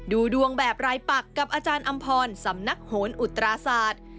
ดูดวงแบบรายปักกับอาจารย์อำพรสำนักโหนอุตราศาสตร์